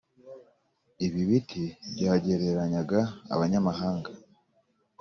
ibi biti byagereranyaga abanyamahanga